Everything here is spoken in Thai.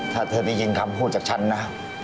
ถ้าเธอได้ยินคำพูดจากฉันนะ